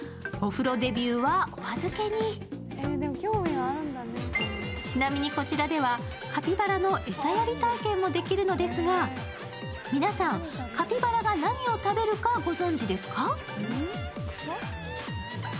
お風呂デビューはおあずけにちなみにこちらではカピバラの餌やり体験もできるのですが、皆さん、カピバラが何を食べるかご存じですか？